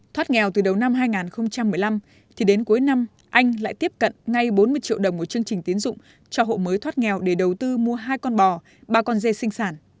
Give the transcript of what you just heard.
thoát nghèo từ đầu năm hai nghìn một mươi năm thì đến cuối năm anh lại tiếp cận ngay bốn mươi triệu đồng một chương trình tiến dụng cho hộ mới thoát nghèo để đầu tư mua hai con bò ba con dê sinh sản